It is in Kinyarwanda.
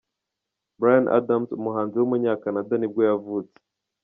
Bryan Adams, umuhanzi w’umunyakanada nibwo yavutse.